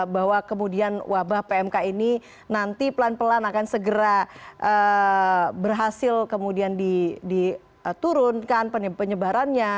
bahwa kemudian wabah pmk ini nanti pelan pelan akan segera berhasil kemudian diturunkan penyebarannya